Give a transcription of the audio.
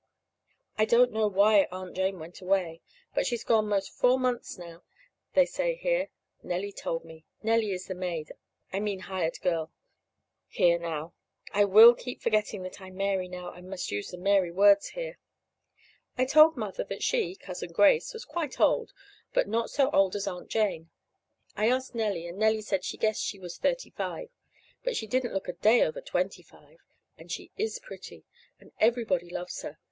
I don't know why Aunt Jane went away, but she's been gone 'most four months now, they say here. Nellie told me. Nellie is the maid I mean hired girl here now. (I will keep forgetting that I'm Mary now and must use the Mary words here.) I told Mother that she (Cousin Grace) was quite old, but not so old as Aunt Jane. (I asked Nellie, and Nellie said she guessed she was thirty five, but she didn't look a day over twenty five.) And she is pretty, and everybody loves her.